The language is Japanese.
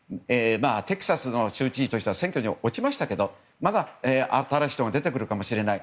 テキサスの州知事としては選挙に落ちましたけどまだ新しい人が出てくるかもしれない。